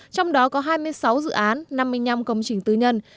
trong đó có hai mươi sáu dự án năm mươi năm công trình tư nhân